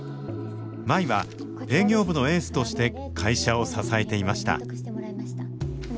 舞は営業部のエースとして会社を支えていました。